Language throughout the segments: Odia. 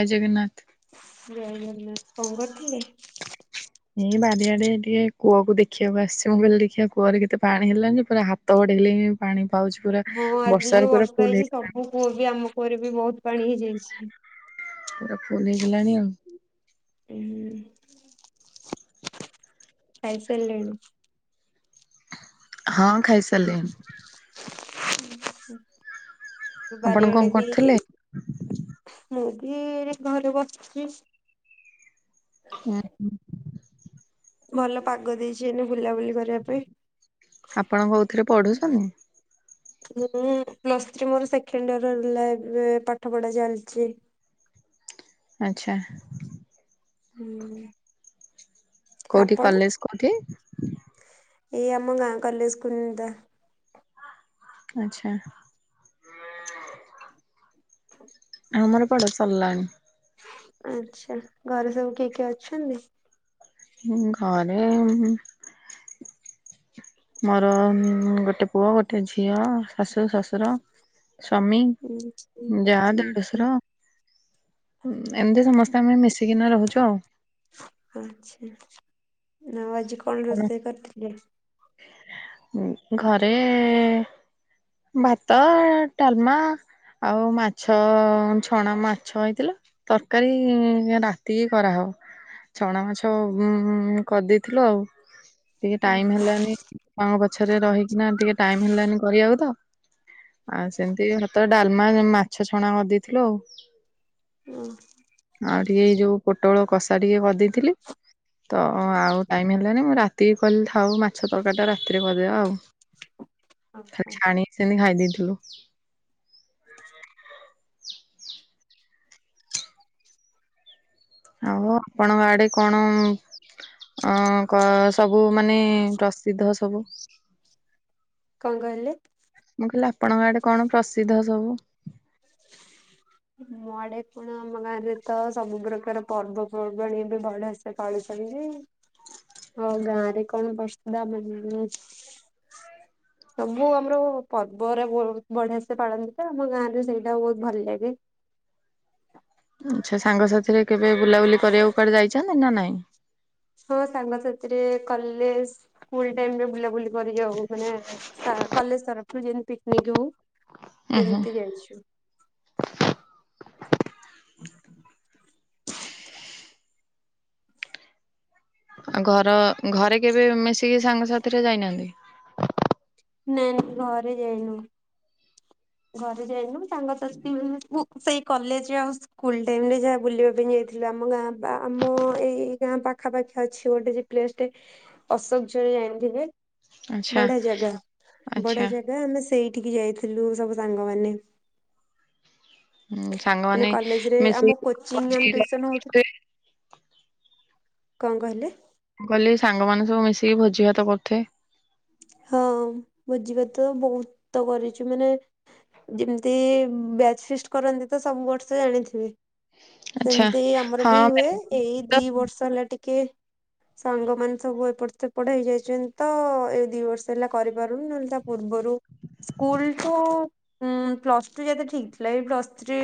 ଜୟ ଜଗନ୍ନାଥ। ଜୟ ଜଗନ୍ନାଥ କଣ କରୁଥିଲେ? ଏଇ ବାରିଆଡେ ଟିକେ କୂଅକୁ ଦେଖିଆକୁ ଆସିଛି, ମୁଁ କହିଲି ଦେଖିଆ କୂଅରେ କେତେ ପାଣି ହେଲାଣି ଯେ ପୁରା ହା ତ ବଢ଼େଇଲେ ବି ପାଣି ପାଉଚୁ। ହଁ ଆଜି ଯୋଉ ବର୍ଷା ହେଇଛି, ସବୁ କୂଅ ବି ଆମ କୂଅରେ ବି ବହୁତ୍ ପାଣି ହେଇଯାଇଛି। ପୁରା ଫୁଲ୍ ହେଇଗଲାଣି ଆଉ। ହୁଁ, ଖାଇସାରିଲେଣି? ହଁ ଖାଇସାରିଲିଣି। ଉଁ ହୁଁ ଆପଣ କଣ ବାରିଆଡେ ଦିଇ କରୁଥିଲେ? ମୁଁ ବି-ଇ-ରେ ଘରେ ବସିଛି। ହୁଁ ହୁଁ। ଭଲ ପାଗ ଦେଇଛି ଏଇନେ ବୁଲାବୁଲି କରିବା ପାଇଁ। ଆପଣ କୋଉଥିରେ ପଢୁସୁନି। ମୁଁ ପ୍ଲସ୍ ଥ୍ରୀ ମୋର ସେଖେଣ୍ଡ ଇଅର୍ ହେଲା, ଏବେ ପାଠ ପଢା ଚାଲଚି। ଆଚ୍ଛା। ହୁଁ କୋଉଠି ଆପଣ? କଲେଜ୍ କୋଉଠି? ଏଇ ଆମ ଗାଁ କଲେଜ୍ କୁନ୍ଦା। ଆଚ୍ଛା। [inaudible] ଆମର ପଢା ସଲ୍ଲାଣି। ଆଚ୍ଛା ଘରେ ସବୁ କିଏ କିଏ ଅଛନ୍ତି? ଘରେ ଉଁ-ମ୍ ମୋର ଗୋଟେ, ପୁଅ ଗୋଟେ ଝିଅ, ଶାଶୁ ଶଶୁର ସ୍ୱାମୀ, ହୁଁ ଯାଆ, ହୁଁ। ଦେଢୁଶୁର ଏମତି ସମସ୍ତେ ଆମେ ମିଶିକିନା ରହୁଚୁ ଆଉ। ଆଚ୍ଛା ଆଉ ଆଜି କଣ ରୋଷେଇ କରିଥିଲେ? ଘରେ-ଏ-ଏ ଭାତ, ଡାଲମା ଆଉ ମାଛ ଅ ଛଣା ମାଛ ହେଇଥିଲା। ତର୍କାରୀ-ଇଁ-ଇଁ-ରାତିିକି କରାହବ। ଛଣା ମାଛ -ବୁଂ-ବୁଂ-କରିଦେଇଥିଲୁ ଆଉ। ଟିକେ ଟାଇମ୍ ହେଲାନି, ମାଙ୍କ ପଛରେ ରହିକିନା ଟିକେ ଟାଇମ ହେଲାନି କରିଆକୁ ତ। ଆ ସେମ୍ତି ଭାତ, ଡାଲ୍ମା, ଉଁ ମାଛ ଛଣା କରିଦେଇଥିଲୁ ଆଉ। ଓ ହଁ। ଆଉ ଟିକେ ଏଇ ଯୋଉ ପୋଟଳ କଷା ଟିକେ କରିଦେଇଥିଲି। ତ ଆଉ ଟାଇମ୍ ହେଲାନେଇଁ, ମୁଁ ରାତିକି କଇଲି ଥାଉ ମା ଛ ତରକାରି ଟା ରାତିରେ କରିଆ ଆଉ, ହଁ ହଁ ଖାଲି ଛାଣିକି ସେମିତି ଖାଇ ଦେଦେଇଥିଲୁ। ଆଉ ଆପଣଙ୍କ ଆଡେ କଣ ଉମ୍ ଅ କଁ ସବୁ ମାନେ ପ୍ରସିଦ୍ଧ ସବୁ? କଅଣ କହିଲେ? ମୁଁ କଇଲି ଆପଣଙ୍କ ଆଡେ କଣ ପ୍ରସିଦ୍ଧ ସବୁ? [inaudible] ମୋ ଆଡେ କଣ, ଆମ ଗାଁ ରେ ତ ସବୁ ପ୍ରକାର ପର୍ବପର୍ବାଣି ଏବେ ବଢସ୍ ସେ ପାଳୁଛନ୍ତି ଯେ ଆଉ ଗାଁ ରେ କଣ ବର୍ଷୁଧା ମୁନ୍ନୀ ସବୁ ଆମ୍ର ପର୍ବରେ ବୋହୁତ୍ ବଢିଆ ସେ ପଳାନ୍ତିତ, ଆମ ଗାଁ ରେ ସେଇଟା ବୋହୁତ୍ ଭଲ୍ ଲାଗେ। ଆଛା ସାଙ୍ଗସାଥିରେ କେବେ ବୁଲାବୁଲି କରିଆକୁୁ କୁଆଡେ ଯାଇଚନ୍ତି ନା ନାଇଁ? ହଁ ସାଙ୍ଗସାଥିରେ କଲେଜ୍ ସ୍କୁଲ୍ ଟାଇମ୍ ରେ ବୁଲାବୁଲି କରିଯାଉ, ମାନେ ସା କଲେଜ୍ ତରଫରୁ ଯେନ୍ତି ପିକନିକ୍ ହଉ। ଉୁଁ ହୁଁ ସେମ୍ତି ଯାଇଛୁ। ଆଉ ଘର ଘରେ କେବେ ମିଶିକି ସାଙ୍ଗସଥିରେ ଯାଇନାହାନ୍ତି? ନାଇଁ ନାଇଁ ଘରେ ଯାଇନୁ। ଘରେ ଯାଇନୁ ମୁଁ ସାଙ୍ଗ ସାତି ମୁଁ-ମୁଁ ସେଇ କଲେଜରେ ଆଉ ସ୍ ସ୍କୁଲ ଟାଇମ୍ ରେ ଯାହା ବୁଲିବା ପାଇଁ ଯାଇଥିଲୁ ଆମ ଗାଁ ବା ଆମ ଏଇ ଗାଁ ପାଖାପାଖି ଅଛି ଗୋଟେ ଯା ପ୍ଲେସ୍ ଟେ ଅଶୋକ ଝରି ଜାଣିଥିବେ? ଆଚ୍ଛା ବଢିଆ ଜାଗା ଆଚ୍ଛା ବଢିଆ ଜାଗା ଆମେ ସେଇଠିକି ଯାଇଥିଲୁ ସବୁ ସାଙ୍ଗମାନେ। ହୁଁ ମାନେ ସାଙ୍ଗମାନେ କଲେଜରେ ଆମ ମିଶିକି କୋଚିଂ ଭୋଜି ଆମେ ଭାତ ଟୁଇସନ୍ ହଉଥିଲୁ କରୁଥିବେ କଣ କହିଲେ? କହିଲି ସାଙ୍ଗମାନେ ସବୁ ମିଶିକି ଭୋଜି ଭାତ କରୁଥେବେ। ହଁ ଭୋଜିଭାତ ବହୁତ ତ କରିଚୁ ମାନେ ଯେମିତି ବ୍ୟାଚ୍ ଫିଷ୍ଟ୍ କରନ୍ତି ତ ସବୁ ବର୍ଷ ଜାଣିଥିବେ? ଆଚ୍ଛା। ସେମିତି ଆମରବି ହଁ ହୁଏ ଏଇ ଦିବର୍ଷ ହେଲା ଟିକେ ସାଙ୍ଗମାନେ ସବୁ ଏପଟ ସେପଟ ହେଇ ଯାଇଚନ୍ତି ତ ଦିବର୍ଷ ହେଲା କରିପାରୁନି ନହେଲେ ତା ପୂର୍ବରୁ ସ୍କୁଲ୍ ଟା ଉଁ ପ୍ଲସଟୁ ଯାତେ ଠିକ୍ ଥିଲା ଏଇ ପ୍ଲସ ଥ୍ରୀ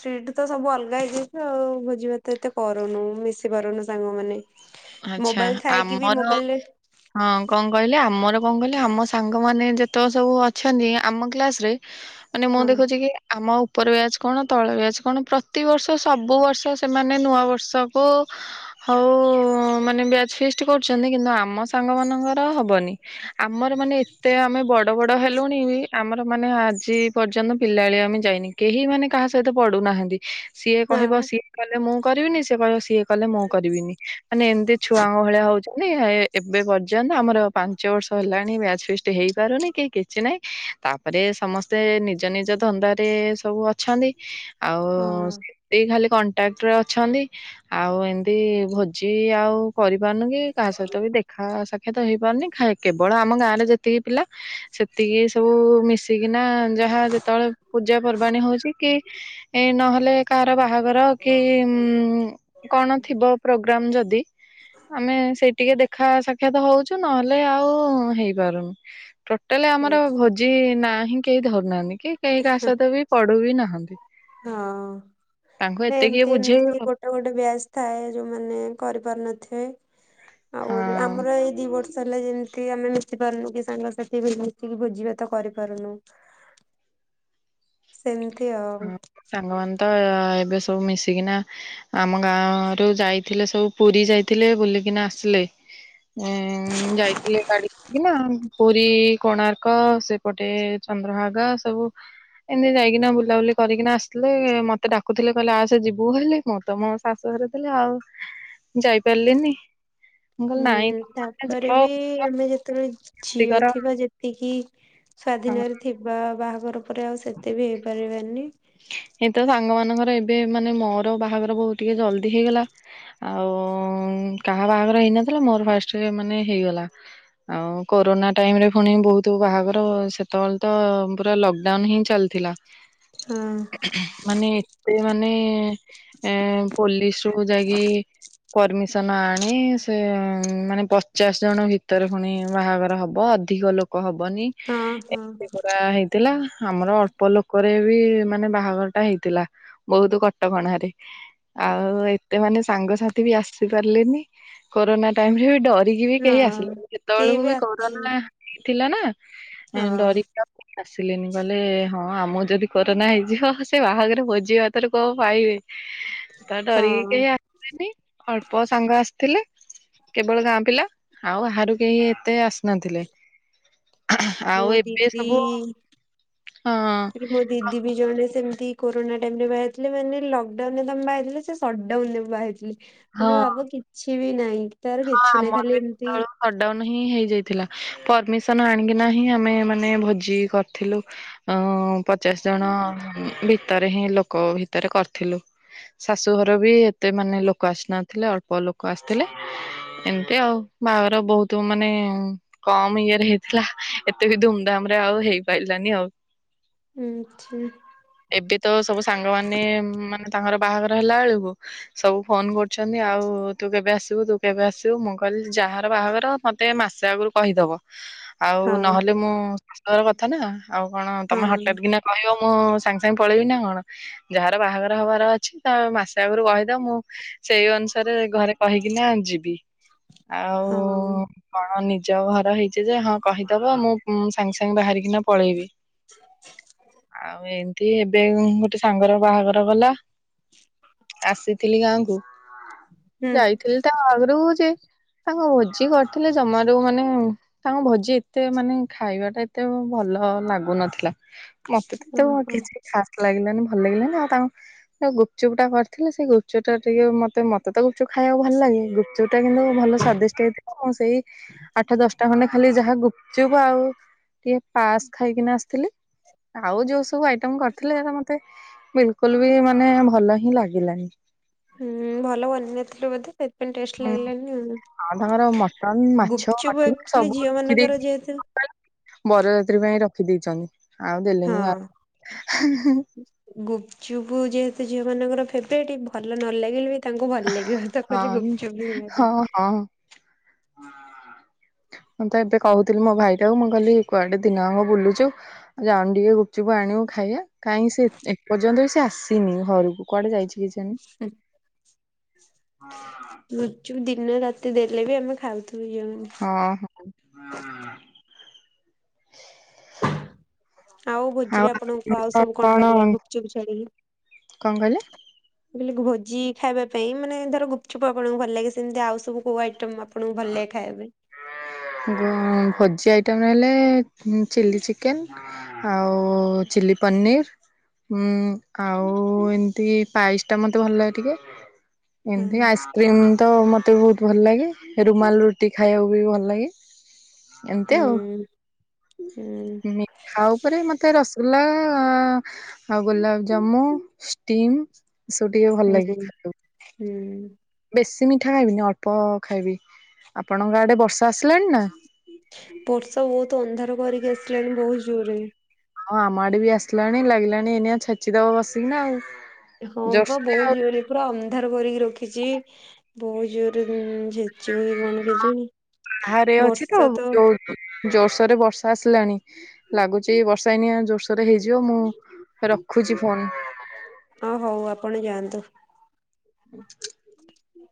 ଥ୍ରୀୁ ଠୁ ତ ସବୁ ଅଲଗା ହେଇଯାଇଚୁ ଆଉ ଭୋଜିିଭା ତ ଏତେ କରୁନୁ ମିଶି ପାରୁନୁ ସାଙ୍ଗମାନେ, ଆଚ୍ଛା ମୋବାଇଲ ଥାଇକି ବି ଆମର ମୋବାଇଲରେ ହଁ କଁ କହିଲେ ଆମର କଣ କହିଲେ ଆମ ସାଙ୍ଗମାନେ ଯେତକ ସବୁ ଅଛନ୍ତି ଆମ କ୍ଲାସ ରେ ମାନେ ମୁଁ ହଁ ଦେଖୁଚି କି ଆମ ଉପର ବ୍ୟାଚ୍ କଣ ତଳ ବ୍ୟାଚ୍ କଣ ପ୍ରତିିବର୍ଷ ସବୁବର୍ଷ ସେମାନେ ନୂଆବର୍ଷ କୁ ହଉ ମାନେ ବ୍ୟାଚ୍ ଫିଷ୍ଟ୍ କରୁଚନ୍ତି କିନ୍ତୁ ଆମ ସାଙ୍ଗ ମାନ ଙ୍କର ହବନି ଆମର ମାନେ ଏତେ ଆମେ ବଡବଡ ହେଲୁଣି ବି ଆମ ର ମାନେ ଆଜି ପର୍ଯ୍ୟନ୍ତ ପିଲାଳିଆମି ଯାଇନି କେହି ମାନେ କାହା ସହିତ ପଡୁନାହାନ୍ତି। ସିଏ କହିବ ହଁ ସିଏ କଲେ ମୁଁ କରିବିନି ସିଏ କହିବ ସିଏ କଲେ ମୁଁ କରିବିନି। ମାନେ ଏମିତି ଛୁଆଙ୍କ ଭଳିଆ ହଉଚନ୍ତି ଏବେ ପର୍ଯ୍ୟନ୍ତ ଆମର ପାଞ୍ଚ ବର୍ଷ ହେଲାଣି ବ୍ୟାଚ୍ ଫିଷ୍ଟ୍ ହେଇପାରୁନି। କି କିଛି ନହିଁ ତାପରେ ସମସ୍ତେ ନିଜନିଜ ଧନ୍ଦାରେ ସବୁ ଅଛନ୍ତି ଆଉ ହଁ ସେମତି ଖାଲି କଣ ବାଟରେ ଅଛନ୍ତି, ଆଉ ଏମିତି ଭୋଜି ଆଉ କରିପାରୁନୁ କି କାହାସହିତ ବି ଦେଖ୍ ଖା ସାକ୍ଷାତ ହେଇପାରୁନି ଖା କେବଳ ଆମ ଗାଁରେ ଯେତିକି ପିଲା ସେତିକି ସବୁ ମିଶିକିନା ଯାହା ଯେତେବେଳେ ପୂଜା ପର୍ବାଣୀ ହଉଚି କି ଏ ନହେଲେ କାହାର ବାହାଘର କି ମ କଣ ଥିବ ପ୍ରୋଗ୍ରାମ୍ ଯଦି ଆମେ ସେଇ ଟିକେ ଦେଖା ସାକ୍ଷାତ ହଉଚୁ ନହେଲେ ଆଉ ହେଇପାରୁନି। ଟୋଟାଲ୍ ଆମର ଆଛା ଭୋଜି ନା ହିଁ କେହି ଧରୁନାହାନ୍ତି କି କେହି କାହା ସହିତ ବି ପଡୁବି ନାହାନ୍ତି। ହଁ ତାଙ୍କୁ ନାଇଁ ଏତେ କିଏ ଏମତି ଏମତି ବୁଝେଇବ। ଗୋଟେ ଗୋଟେ ବ୍ୟାଚ୍ ଥାଏ ଯୋଉମାନେ କରିପାରୁ ନଥିବେ। ଆଉ ହଁ। ଆମର ଏଇ ଦି ବର୍ ଷ ହେଲା ଯେମିତି ଆମେ ମିଶି ପାରୁନୁ କି ସାଙ୍ଗସାଥି ବି ମିଶିକି ଭୋଜିଭାତ କରିପାରୁନୁ ସେମିତି ଆଉ। ସାଙ୍ଗମାନେତ ଏବେ ସବୁ ମିଶିକିନା ଆମ ଗାଁରୁ ଯାଇଥିଲେ ସବୁ ପୁରୀ ଯାଇଥିଲେ ବୁଲିକିନା ଆସିଲେ। ଏଁ ମ୍ ଯାଇଥିଲେ ଗାଡି କିନା ପୁରୀ କୋଣାର୍କ ସେପଟେ ଚନ୍ଦ୍ରଭାଗା ସବୁ ଏନ୍ତି ଯାଇକିନା ବୁଲି ବୁଲାବୁଲି କରିକିନା ଆସିଥିଲେ ମତେ ଡାକୁଥିଲେ କହିଲେ ଆସେ ଯିବୁ ହେଲେ ମୁଁ ତ ମୋ ଶାଶୁ ଘରେ ଥିଲି ଆଉ। ଯାଇପାରିଲେନି? ହୁଁ ତାପରେ ବି ତେମେ ଯେତେବେଳେ ମସ୍ତି ଝିଅ କର ଥିବ ଯେତିକି ହଁ। ସ୍ଵାଧୀନ ରେ ଥିବ ବାହାଘର ପରେ ଆଉ ସେତେ ବି ହେଇପାରିବାନି। ଏଇ ତ ସାଙ୍ଗ ମାନଙ୍କର ଏବେ ମାନେ ମୋର ବାହାଘର ବହୁତ ଟିକେ ଜଲ୍ଦି ହେଇଗଲା। ଆଉ କାହା ବାହାଘର ହେଇନଥିଲା ମୋର ଫାଷ୍ଟ୍ ମାନେ ହେଇଗଲା। ଆଉ କୋରୋନା ଟାଇମ୍ ରେ ପୁଣି ବହୁତ ବାହାଘର ସେତେବେଳେ ତ ପୁରା ଲକ୍ ଡାଉନ୍ ହିଁ ଚାଲିଥିଲା। ହଁ। ମାନେ ଏତେ ମାନେ ଏ ପୋଲିସ୍ ଯୋଗୁ ଯାଇକି ପରମିସନ୍ ଆଣି ସେ ହୁଁ ମାନେ ପଚାଶ ଜଣ ଭିତରେ ପୁଣି ବାହାଘର ହବ ଅଧିକ ଲୋ କ ହବନି ହଁ ଏ ହଁ ଏବେ ବା ହେଇଥିଲା ଆମର ଅଳ୍ପ ଲୋକରେ ବି ମାନେ ବାହାଘର ଟା ହେଇଥିଲା ବହୁତ କଟକଣାରେ। ଆଉ ଏତେ ମାନେ ସାଙ୍ଗସାଥି ବି ଆସି ପାରିଲେନି କୋରୋନା ଟାଇମ୍ ରେ ବି ଡ ରିକି ବି କେହି ହଁ ଆସିଲେନି କେହି ସେତେବେଳକୁ ବି ଆସି କୋରୋନା ଥିଲା ନା ଏଁ ହଁ ଡରିକି ଆଉ କେହି ଆସିଲେନି କହିଲେ ହଁ ଆମର ଯଦି କୋରୋନା ହେଇଯିବ ସେ ବାହାଘର ଭୋଜି ଭାତରୁ କଣ ପାଇବେ ତ ଡରିକି ହଁ। କେହି ଆ ସିଲେନି ଅଳ୍ପ ସାଙ୍ଗ ଆସିଥିଲେ। କେବଳ ଗାଁ ପିଲା ଆଉ ବାହାରୁ କେହି ଏତେ ଆସି ନଥିଲେ ମୋ ଆଉ ଏବେ ଦିଦି ସବୁ ହଁ। ମୋ ଦିଦି ବି ଜଣେ ସେମିତି କୋରୋନା ଟାଇମ୍ ରେ ବାହା ହେଇଥିଲେ ମାନେ ଏଇଠି ଲକ୍ ଡାଉନ୍ ରେ ତମେ ବାହା ହେଇଥିଲେ ସେ ସଟ୍ ଡାଉନ୍ ରେ ବାହା‌ ହେଇଥିଲେ। ହେଲେ ହଁ ଲାଭ କିଛି ବି ନାହିଁ। ତାର କିଛି ହଁ ନାହିଁ ମତେ ଖାଲି ବି ତ ଏମିତି ଆଉ ସଟ୍ ଡାଉନ୍ ହିଁ ହେଇଯାଇଥିଲା ପରମିସନ୍ ଆଣିକିନା ହିଁ ଆମେ ମାନେ ଭୋଜି କରି ଥିଲୁ ଅଁ ପଚାଶ ଜଣ ଭିତରେ ହିଁ ଲୋକ ଭିତରେ କରିଥିଲୁ। ଶାଶୁ ଘର ବି ଏତେ ମାନେ ଲୋକ ଆସି ନଥିଲେ ଅଳ୍ପ ଲୋକ ଆସିଥିଲେ। ଏମିତି ଆଉ ବାହାଘର ବହୁତ ମାନେ କମ୍ ଇଏରେ ହେଇଥିଲା ଏତେ ବି ଧୁମ୍ ଧାମ୍ ରେ ଆଉ ହେଇପାରିଲାନି ଆଉ। ଆଚ୍ଛା। ଏବେ ତ ସବୁ ସାଙ୍ଗମାନେ ମାନେ ତାଙ୍କର ବାହାଘର ହେଲା ବେଳକୁ ସବୁ ଫୋନ୍ କରୁଛନ୍ତି ଆଉ ତୁ କେବେ ଆସି ତୁ ତୁ କେବେ ଆସିବୁ ମୁଁ କହିଲି ଯାହାର ବାହାଘର ମତେ ମାସେ ଆଗରୁ କହିଦବ। ଆଉ ହଁ ନହେଲେ ମୋ ଶାଶୁଘର କଥା ନା ଆଉ କଣ ତମେ ହଁ ହଠାତ୍ କିନା କହିବ ମୁଁ ସାଙ୍ଗେ ସାଙ୍ଗେ ପଳେଇବି ନା କଣ। ଯାହାର ବାହାଘର ହବାର ଅଛି ତା ମାସେ ଆଗରୁ କହିଦବ ମୁଁ ସେଇ ଅନୁସାରେ ଘରେ କହି କି ନା ଯିବି ଆଉ ହଁ କଣ ନିଜ ଘର ହେଇଛି ଯେ ହଁ କହିଦବ ମୁଁ ସାଙ୍ଗେ ସାଙ୍ଗେ ବାହାରିକିନା ପଳେଇବି। ଆଉ ଏମିତି ଏବେ ଗୋଟେ ସାଙ୍ଗର ବାହାଘର ଗଲା ଆସିଥିଲି ଗାଁ କୁ ହୁଁ ଯାଇ ଆଗରୁ ଯେ ତାଙ୍କ ଭୋଜି କରିଥିଲେ ଜମାରୁ ମାନେ ତାଙ୍କ ଭୋଜି ଏତେ ମାନେ ଖାଇବା ଟା ଏତେ ଭଲ ଲାଗୁନଥିଲା। ମତେ ତ ଏତେ ଓହୋ। କିଛି ଖାସ୍ ଲାଗିଲାନି ଭଲ ଲାଗିଲାନି ଆଉ ତାଙ୍କୁ ଆଉ ଗୁପ୍ ଚୁପ୍ ଟା କରିଥିଲେ ସେଇ ଗୁପ୍ ଚୁପ୍ ଟା ଟିକେ ମତେ ମତେ ତ ଗୁପ୍ ଚୁପ୍ ଖାଇବାକୁ ଭଲ ଲାଗେ ଗୁପ୍ ଯୋଉଟା କିନ୍ତୁ ଭଲ ସ୍ଵାଦିଷ୍ଟ ହେଇଥିବ ମୁ ସେଇ ଆଠ ଦଶଟା ଖଣ୍ଡେ ଖାଲି ଯାହା ଗୁପ୍ ଚୁପ୍ ଆଉ ଟିକେ ପାସ୍ ଖାଇକିନା ଆସିଥିଲି ଆଉ ଯୋଉ ସବୁ ଆଇ ଟମ୍ କରିଥିଲେ ମତେ ବିଲକୁଲ୍ ବି ମାନେ ଭଲ ହିଁ ଲାଗିଲାନି। ହୁଁ, ଭଲ ବନେଇ ନ ଥିଲେ ବୋଧେ ସେଥିପାଇଁ ଟେଷ୍ଟ ହୁଁ ଲାଗିଲାନି ଆଉ। ଆଉ ତମର ମଟନ୍ ମାଛ ଗୁପଚୁପ୍ ଆଉ ଆକ୍ଚୁଆଲି ଝିଅ ସବୁଥିରେ ମାନଙ୍କର ଯେହେତୁ କମ୍ପାୟର ବରଯାତ୍ରୀ ପାଇଁ ରଖି ଦେଇେଛନ୍ତି ଆଉ ଦେଲେନି କାହାକୁ। ଗୁପଚୁପୁ ଯେହେତୁ ଝିଅ ମାନଙ୍କର ଫେବରେଟ୍ ଭଲ ନ ଲାଗିଲ ବି ତାଙ୍କୁ ଭଲ ଲାଗିବ ତ କହିଲି ହଁ ଗୁପଚୁପ ବି ହଁ [inaudible] ମୁଁ ତ ଏବେ କହୁଥିଲି ମୋ ଭାଇଟାକୁ ମୁଁ କହିଲି କୁଆଡେ ଦିନଯାଙ୍କ ବୁଲୁଛୁ। ଆଉ ଯାଉନୁ ଟିକେ ଗୁପ୍ଚୁପ୍ ଆଣିବୁ ଖାଇବା କାହିଁ ସେ ଏପର୍ଯ୍ୟନ୍ତ ବି ସେ ଆସିନି ଘରକୁ କୁଆଡେ ଯାଇଛି କି ଜାଣେ। ହୁଁ। [inaudible] ଗୁପ୍ ଚୁପ୍ ଦିନ ରାତି ଦେଲେ ବି ଆମେ ଖାଉଥିବୁ ଝିଅ ମାନେ। ଓଁ ହ [unintelligible] ଆଉ ଭୋଜିରେ ଆପଣଙ୍କୁ ଆଉ ସବୁ କଣ ଭଲ ଲାଗେ ଗୁପ୍ ଚୁପ୍ ଛାଡିକି? କଣ କହିଲେ? ମୁଁ କହିଲି ଭୋଜି ଖାଇବା ପାଇଁ ମାନେ ଧର ଗୁପ୍ ଚୁପ୍ ଆପଣଙ୍କୁ ଭଲ ଲାଗେ ସେମିତି ଆଉ ସବୁ କୋଉ ଆଇଟମ୍? ଆପଣଙ୍କୁ ଭଲ ଲାଗେ ଖାଇବା ପାଇଁ। ଭୋ -ଭୋଜି ଆଇଟମ୍ ହେଲେ ଚିଲ୍ଲି ଚିକେନ୍ ଆଉ ଚିଲି ପନିର୍ ହୁଁ ଆଉ ଏମିତି ପାଇସ୍ ଟା ମତେ ଭଲ ଲାଗେ ଟିକେ। ହଁ ଏମିତି ଆଇସ୍କ୍ରିମ୍ ତ ମତେ ବହୁତ ଭଲ ଲାଗେ ରୁମାଲ ରୁଟି ଖାଇବାକୁ ବି ଭଲ ଲାଗେ। ଏମତି ହୁଁ ଆଉ ହୁଁ ମି ଠା ଉପରେ ମତେ ରସଗୋଲା ଆଉ ଗୋଲାପ ଜାମୁ, ଷ୍ଟିମ୍, [unintelligible] ସୁ ଟିକେ ଭଲ ଲାଗେ ହୁଁ ଖାଇବାକୁ। ହୁଁ। ବେଶୀ ମିଠା ଖାଇବିନି ଅଳ୍ପ ଖାଇବି, ଆପଣଙ୍କ ଆଡେ ବର୍ଷା ଆସିଲାଣି ନା? ବର୍ଷା ବହୁତ୍ ଅନ୍ଧାର କରିକି ଆସିଲାଣି ବହୁତ୍ ଜୋରରେ। ହଁ, ଆମ ଆଡେ ବି ଆସିଲାଣି ଲାଗିଲାଣି ଏନିଆ ଛେଚିଦବ ବସିକିନା ଆଉ। ହଁ ପା ଜୋରସୋରେ ବହୁତ୍ ଆଉ ଜୋରରେ ପୁରା ଅନ୍ଧାର କରିକି ରଖିଛି ବହୁତ ଜୋରରେ ଚିଉଳି ମାନେ କେଜାଣି ବର୍ଷା ତ [unintelligible] ଜୋର ସୋରରେ ବର୍ଷା ଆସିଲାଣି ଲାଗୁଚି ବର୍ଷା ଏଇନି ଜୋର ସୋରରେ ହେଇଯିବ ମୁଁ ରଖୁଛି ଫୋନ୍। ହଁ ହଉ ଆପଣ ଯାଆନ୍ତୁ। [inaudible]